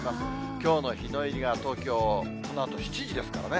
きょうの日の入りが東京、このあと７時ですからね。